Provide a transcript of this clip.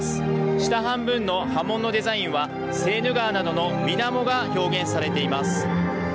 下半分の波紋のデザインはセーヌ川などの水面が表現されています。